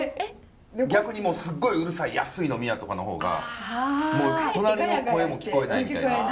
逆にもうすっごいうるさい安い飲み屋とかの方がもう隣の声も聞こえないみたいな。